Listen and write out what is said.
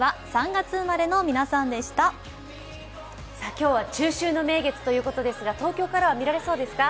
今日は中秋の名月ということですが東京からは見られそうですか。